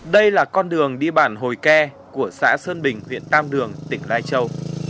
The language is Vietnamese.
đây là con đường đi bản hồi ke của xã sơn bình huyện tam đường tỉnh lai châu